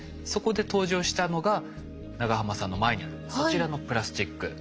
そこで登場したのが長濱さんの前にあるそちらのプラスチック。